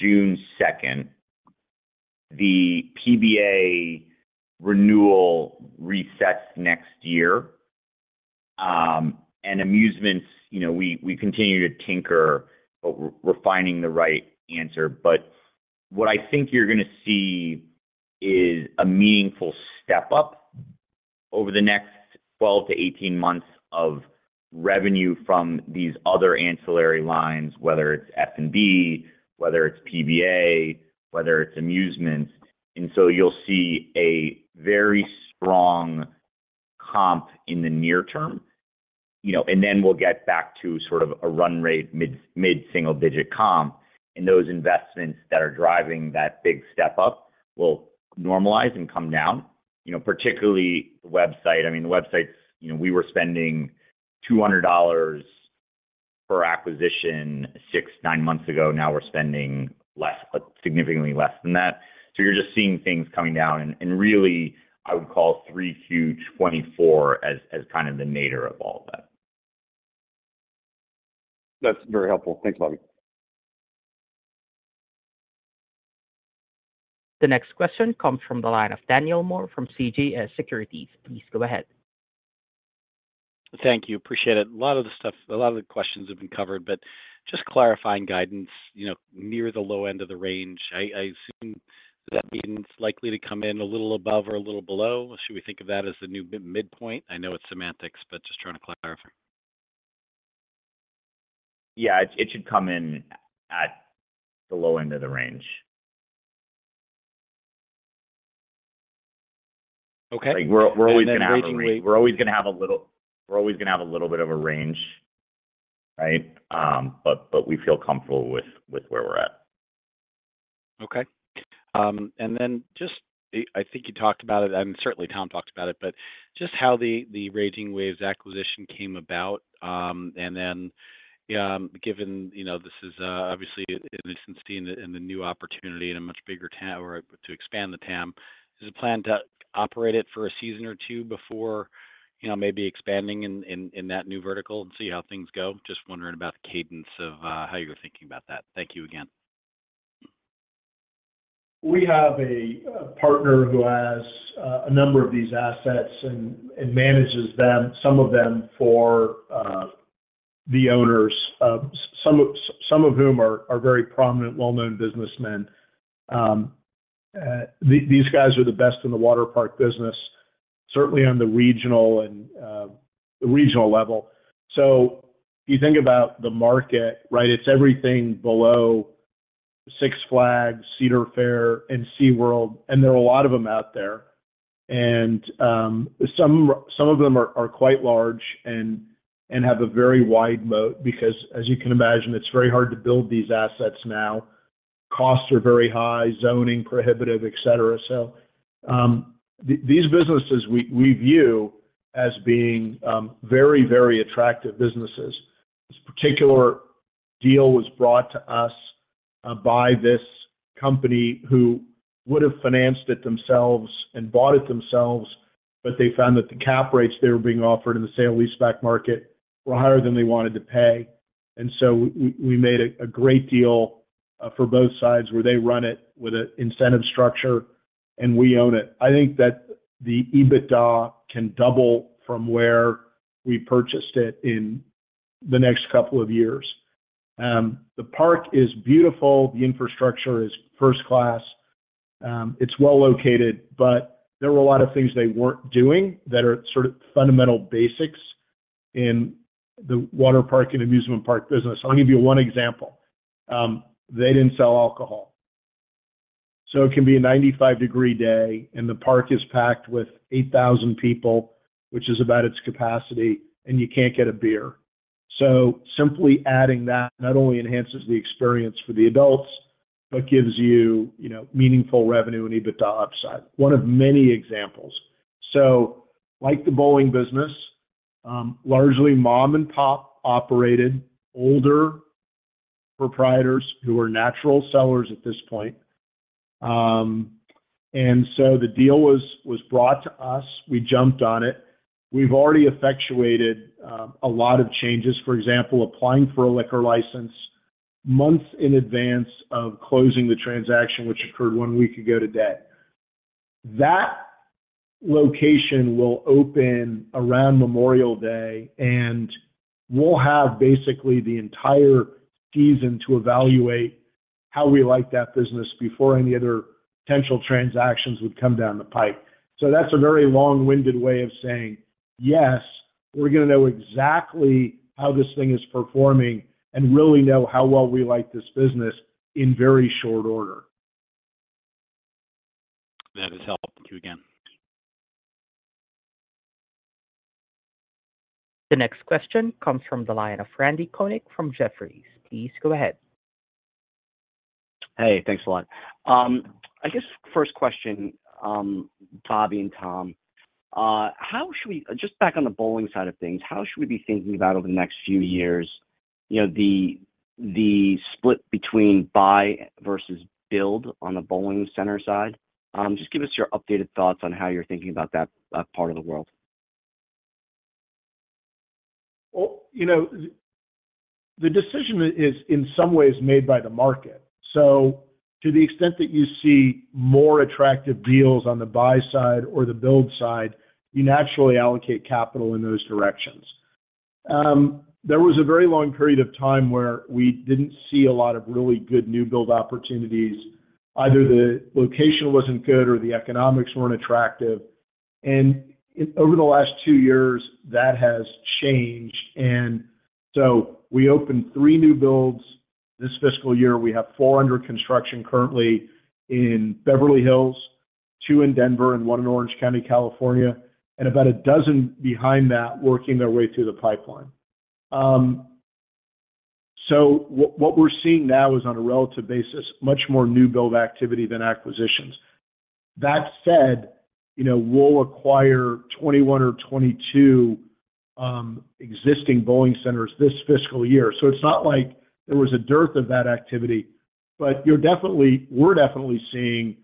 June second. The PBA renewal resets next year. And amusements, you know, we continue to tinker, but we're finding the right answer. But what I think you're gonna see is a meaningful step up over the next 12 months-18 months of revenue from these other ancillary lines, whether it's F&B, whether it's PBA, whether it's amusements. And so you'll see a very strong comp in the near term, you know, and then we'll get back to sort of a run rate, mid-single digit comp. And those investments that are driving that big step up will normalize and come down, you know, particularly the website. I mean, the website, you know, we were spending $200 per acquisition 6 months-9 months ago. Now we're spending less, but significantly less than that. So you're just seeing things coming down, and really I would call 3Q 2024 as kind of the nadir of all of that. That's very helpful. Thanks a lot. The next question comes from the line of Daniel Moore from CJS Securities. Please go ahead. Thank you. Appreciate it. A lot of the questions have been covered, but just clarifying guidance, you know, near the low end of the range. I assume that means likely to come in a little above or a little below. Should we think of that as the new midpoint? I know it's semantics, but just trying to clarify. Yeah, it should come in at the low end of the range. Okay. Like, we're always gonna have a range- And then Raging Waves- We're always gonna have a little bit of a range, right? But we feel comfortable with where we're at. Okay. And then just, I think you talked about it, and certainly Tom talked about it, but just how the Raging Waves acquisition came about, and then, given, you know, this is, obviously an instance in the, in the new opportunity and a much bigger TAM or to expand the TAM. Is it planned to operate it for a season or two before, you know, maybe expanding in that new vertical and see how things go? Just wondering about the cadence of, how you were thinking about that. Thank you again. We have a partner who has a number of these assets and manages them, some of them for the owners, some of whom are very prominent, well-known businessmen. These guys are the best in the water park business, certainly on the regional and the regional level. So you think about the market, right? It's everything below Six Flags, Cedar Fair, and SeaWorld, and there are a lot of them out there. And some of them are quite large and have a very wide moat, because as you can imagine, it's very hard to build these assets now. Costs are very high, zoning prohibitive, et cetera. So these businesses we view as being very, very attractive businesses. This particular deal was brought to us by this company, who would have financed it themselves and bought it themselves, but they found that the cap rates they were being offered in the sale-leaseback market were higher than they wanted to pay. And so we made a great deal for both sides, where they run it with an incentive structure and we own it. I think that the EBITDA can double from where we purchased it in the next couple of years. The park is beautiful, the infrastructure is first-class, it's well-located, but there were a lot of things they weren't doing that are sort of fundamental basics in the water park and amusement park business. I'll give you one example: they didn't sell alcohol. So it can be a 95-degree day, and the park is packed with 8,000 people, which is about its capacity, and you can't get a beer. So simply adding that not only enhances the experience for the adults, but gives you, you know, meaningful revenue and EBITDA upside. One of many examples. So like the bowling business, largely mom-and-pop operated, older proprietors who are natural sellers at this point. And so the deal was brought to us. We jumped on it. We've already effectuated a lot of changes. For example, applying for a liquor license months in advance of closing the transaction, which occurred 1 week ago today. That location will open around Memorial Day, and we'll have basically the entire season to evaluate how we like that business before any other potential transactions would come down the pipe. That's a very long-winded way of saying, yes, we're going to know exactly how this thing is performing and really know how well we like this business in very short order. That is helpful. Thank you again. The next question comes from the line of Randy Konik from Jefferies. Please go ahead. Hey, thanks a lot. I guess first question, Bobby and Tom. How should we just back on the bowling side of things be thinking about over the next few years, you know, the split between buy versus build on the bowling center side? Just give us your updated thoughts on how you're thinking about that part of the world. Well, you know, the decision is in some ways made by the market. So to the extent that you see more attractive deals on the buy side or the build side, you naturally allocate capital in those directions. There was a very long period of time where we didn't see a lot of really good new build opportunities. Either the location wasn't good or the economics weren't attractive, and over the last 2 years, that has changed. And so we opened 3 new builds this fiscal year. We have 4 under construction currently in Beverly Hills, 2 in Denver and 1 in Orange County, California, and about a dozen behind that, working their way through the pipeline. So what we're seeing now is, on a relative basis, much more new build activity than acquisitions. That said, you know, we'll acquire 21 or 22 existing bowling centers this fiscal year, so it's not like there was a dearth of that activity. But we're definitely seeing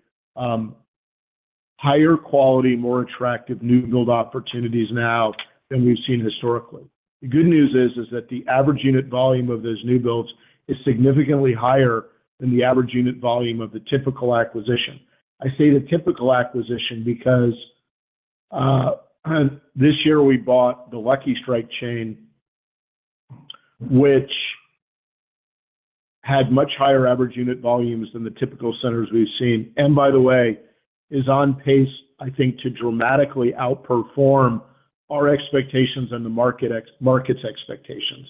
higher quality, more attractive new build opportunities now than we've seen historically. The good news is, is that the average unit volume of those new builds is significantly higher than the average unit volume of the typical acquisition. I say the typical acquisition because this year we bought the Lucky Strike chain, which had much higher average unit volumes than the typical centers we've seen, and by the way, is on pace, I think, to dramatically outperform our expectations and the market's expectations.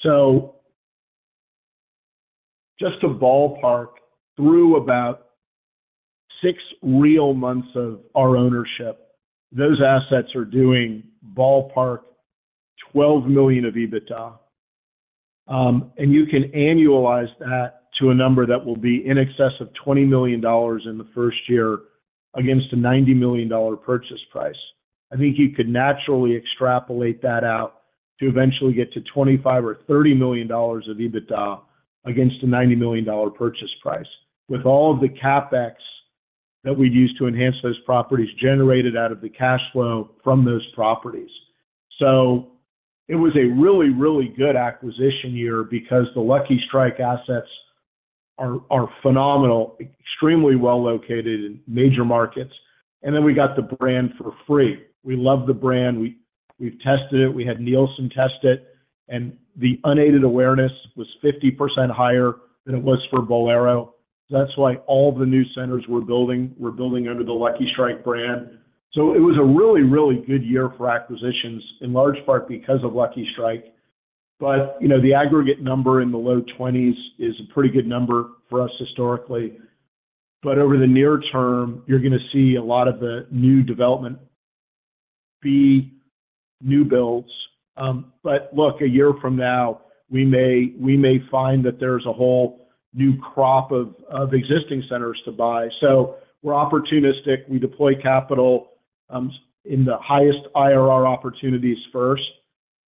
So just to ballpark, through about six real months of our ownership, those assets are doing ballpark $12 million of EBITDA, and you can annualize that to a number that will be in excess of $20 million in the first year against a $90 million purchase price. I think you could naturally extrapolate that out to eventually get to $25 million or $30 million of EBITDA against a $90 million purchase price, with all of the CapEx that we'd use to enhance those properties generated out of the cash flow from those properties. So it was a really, really good acquisition year because the Lucky Strike assets are phenomenal, extremely well located in major markets. And then we got the brand for free. We love the brand. We've tested it, we had Nielsen test it, and the unaided awareness was 50% higher than it was for Bowlero. That's why all the new centers we're building, we're building under the Lucky Strike brand. So it was a really, really good year for acquisitions, in large part because of Lucky Strike. But, you know, the aggregate number in the low 20s is a pretty good number for us historically, but over the near term, you're going to see a lot of the new development be new builds. But look, a year from now, we may, we may find that there's a whole new crop of existing centers to buy. So we're opportunistic. We deploy capital in the highest IRR opportunities first,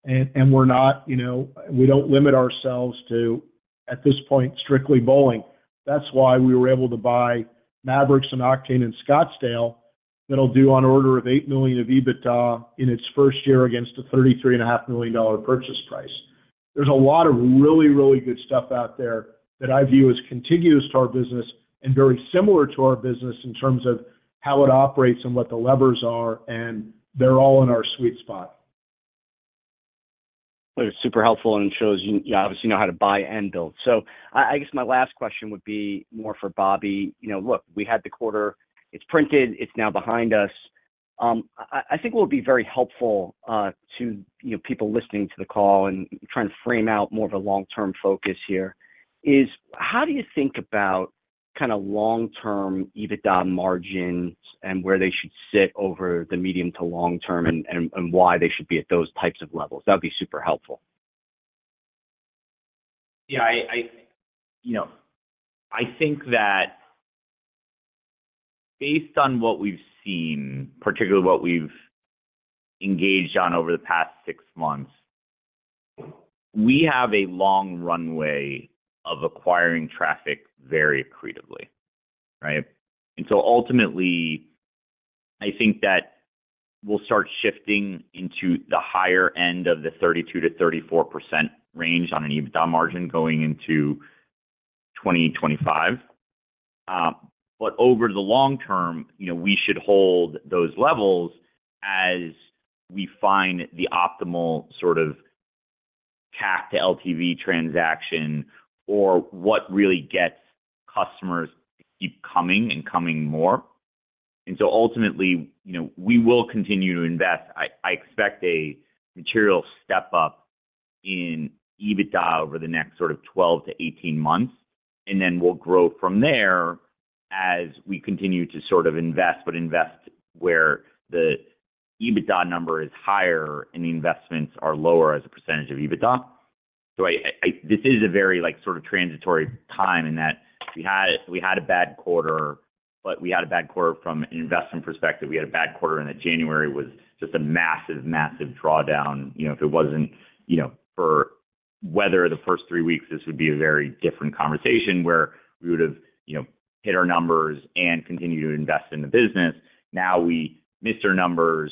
and we're not, you know, we don't limit ourselves to, at this point, strictly bowling. That's why we were able to buy Mavrix and Octane in Scottsdale. That'll add on the order of $8 million of EBITDA in its first year against a $33.5 million purchase price. There's a lot of really, really good stuff out there that I view as contiguous to our business and very similar to our business in terms of how it operates and what the levers are, and they're all in our sweet spot. Well, it's super helpful and shows you, you obviously know how to buy and build. So I guess my last question would be more for Bobby. You know, look, we had the quarter, it's printed, it's now behind us. I think it would be very helpful, you know, to people listening to the call and trying to frame out more of a long-term focus here, is how do you think about kind of long-term EBITDA margins and where they should sit over the medium to long term, and why they should be at those types of levels? That'd be super helpful. Yeah, I, you know, I think that based on what we've seen, particularly what we've engaged on over the past six months, we have a long runway of acquiring traffic very accretively, right? And so ultimately, I think that we'll start shifting into the higher end of the 32%-34% range on an EBITDA margin going into 2025. But over the long term, you know, we should hold those levels as we find the optimal sort of CAC to LTV transaction, or what really gets customers to keep coming and coming more. And so ultimately, you know, we will continue to invest. I expect a material step up in EBITDA over the next sort of 12 month-18 months, and then we'll grow from there as we continue to sort of invest, but invest where the EBITDA number is higher and the investments are lower as a percentage of EBITDA. So, this is a very like, sort of transitory time, in that we had a bad quarter, but we had a bad quarter from an investment perspective. We had a bad quarter, and that January was just a massive, massive drawdown. You know, if it wasn't, you know, for weather the first three weeks, this would be a very different conversation where we would have, you know, hit our numbers and continued to invest in the business. Now, we missed our numbers,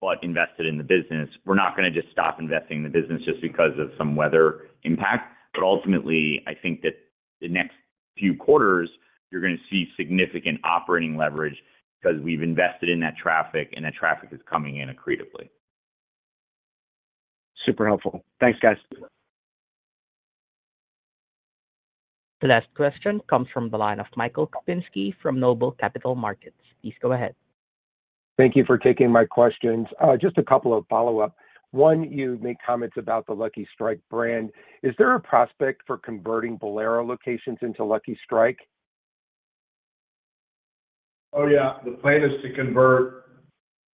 but invested in the business. We're not gonna just stop investing in the business just because of some weather impact, but ultimately, I think that the next few quarters, you're gonna see significant operating leverage, 'cause we've invested in that traffic, and that traffic is coming in accretively. Super helpful. Thanks, guys. The last question comes from the line of Michael Kupinski from Noble Capital Markets. Please go ahead. Thank you for taking my questions. Just a couple of follow-up. One, you've made comments about the Lucky Strike brand. Is there a prospect for converting Bowlero locations into Lucky Strike? Oh, yeah. The plan is to convert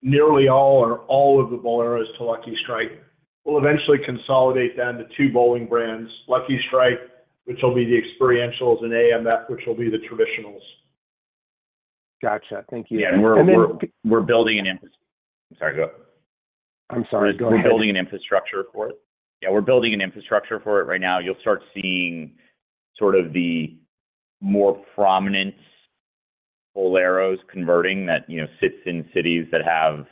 nearly all or all of the Bowleros to Lucky Strike. We'll eventually consolidate down to two bowling brands: Lucky Strike, which will be the experientials, and AMF, which will be the traditionals. Gotcha. Thank you. Yeah. And then- We're building an infras- I'm sorry. Go ahead. We're building an infrastructure for it. Yeah, we're building an infrastructure for it right now. You'll start seeing sort of the more prominent Bowlero converting that, you know, sits in cities that have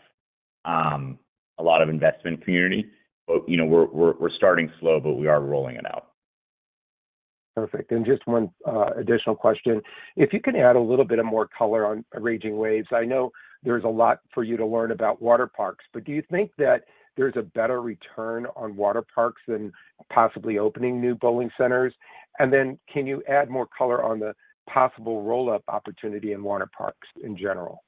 a lot of investment community. But, you know, we're starting slow, but we are rolling it out. Perfect. Just one additional question. If you could add a little bit of more color on Raging Waves. I know there's a lot for you to learn about water parks, but do you think that there's a better return on water parks than possibly opening new bowling centers? And then can you add more color on the possible roll-up opportunity in water parks in general?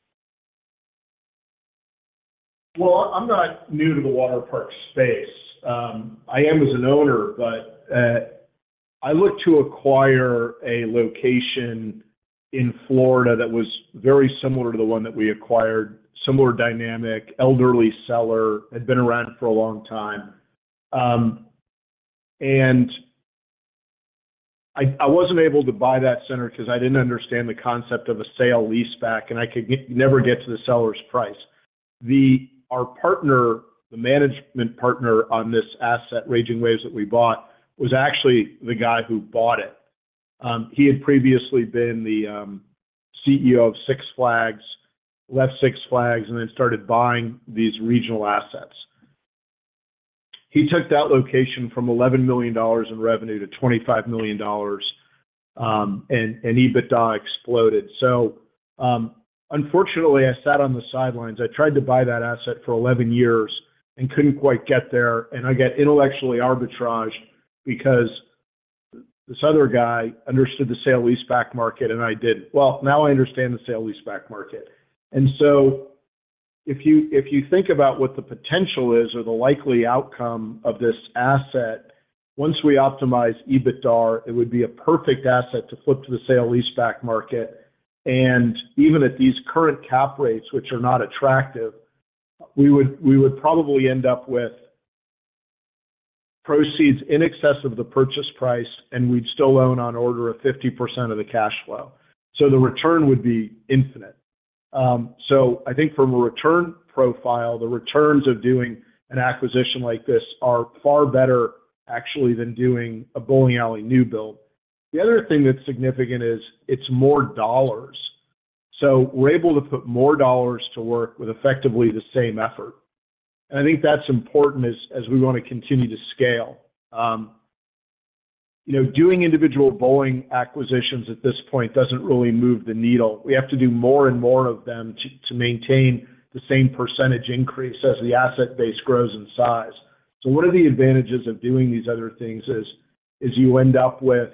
Well, I'm not new to the water park space. I am as an owner, but I looked to acquire a location in Florida that was very similar to the one that we acquired, similar dynamic, elderly seller, had been around for a long time. And I wasn't able to buy that center 'cause I didn't understand the concept of a sale-leaseback, and I never get to the seller's price. Our partner, the management partner on this asset, Raging Waves, that we bought, was actually the guy who bought it. He had previously been the CEO of Six Flags, left Six Flags, and then started buying these regional assets. He took that location from $11 million in revenue to $25 million, and EBITDA exploded. So, unfortunately, I sat on the sidelines. I tried to buy that asset for 11 years and couldn't quite get there, and I got intellectually arbitraged because this other guy understood the sale-leaseback market, and I didn't. Well, now I understand the sale-leaseback market. And so if you, if you think about what the potential is or the likely outcome of this asset, once we optimize EBITDA, it would be a perfect asset to flip to the sale-leaseback market... And even at these current cap rates, which are not attractive, we would, we would probably end up with proceeds in excess of the purchase price, and we'd still own on order of 50% of the cash flow. So the return would be infinite. So I think from a return profile, the returns of doing an acquisition like this are far better actually than doing a bowling alley new build. The other thing that's significant is it's more dollars, so we're able to put more dollars to work with effectively the same effort. I think that's important as we want to continue to scale. You know, doing individual bowling acquisitions at this point doesn't really move the needle. We have to do more and more of them to maintain the same percentage increase as the asset base grows in size. One of the advantages of doing these other things is you end up with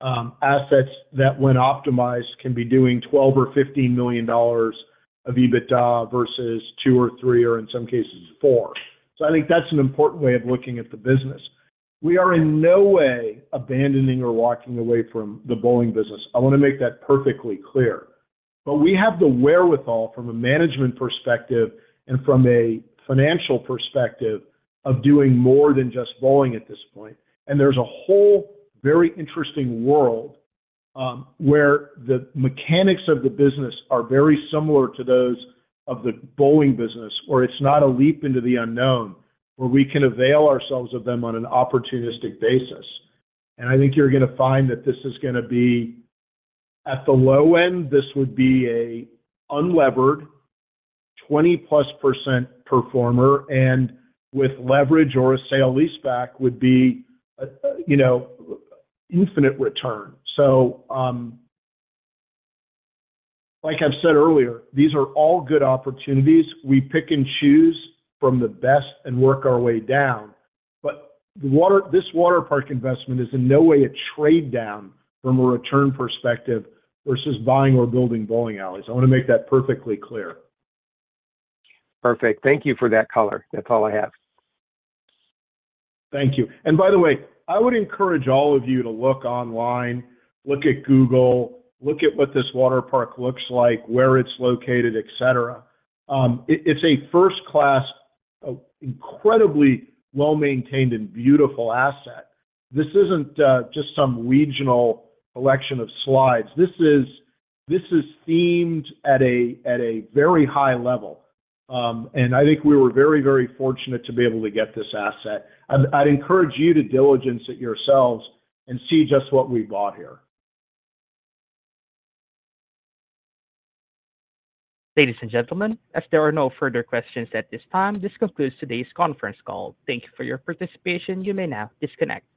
assets that, when optimized, can be doing $12 million or $15 million of EBITDA versus $2 million or $3 million, or in some cases, $4 million. I think that's an important way of looking at the business. We are in no way abandoning or walking away from the bowling business. I want to make that perfectly clear. But we have the wherewithal from a management perspective and from a financial perspective of doing more than just bowling at this point. And there's a whole very interesting world, where the mechanics of the business are very similar to those of the bowling business, where it's not a leap into the unknown, where we can avail ourselves of them on an opportunistic basis. And I think you're gonna find that this is gonna be, at the low end, this would be a unlevered, 20%+ performer, and with leverage or a sale-leaseback, would be a, you know, infinite return. So, like I've said earlier, these are all good opportunities. We pick and choose from the best and work our way down. But water, this water park investment is in no way a trade-down from a return perspective versus buying or building bowling alleys. I want to make that perfectly clear. Perfect. Thank you for that color. That's all I have. Thank you. And by the way, I would encourage all of you to look online, look at Google, look at what this water park looks like, where it's located, et cetera. It's a first-class, incredibly well-maintained and beautiful asset. This isn't just some regional collection of slides. This is themed at a very high level, and I think we were very, very fortunate to be able to get this asset. I'd encourage you to diligence it yourselves and see just what we bought here. Ladies and gentlemen, as there are no further questions at this time, this concludes today's conference call. Thank you for your participation. You may now disconnect.